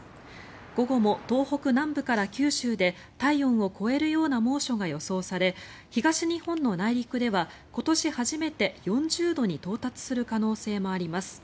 午後も、東北南部から九州で体温を超えるような猛暑が予想され、東日本の内陸では今年初めて４０度に到達する可能性もあります。